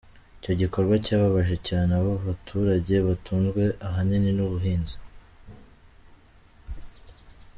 Icyo gikorwa cyababaje cyane abo baturage batunzwe ahanini n’ubuhinzi.